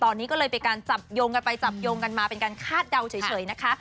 ตอนนี้ก็เลยเป็นการจับโยงกันไปจับโยงกันมาเป็นการคาดเดาเฉยนะคะ